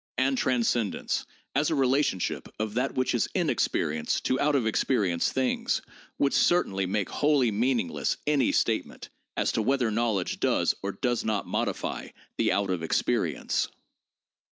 And transcendence as a relationship of that which is in experience to out of experience things would certainly make wholly meaningless any statement as to whether knowledge does or does not modify the out of experience.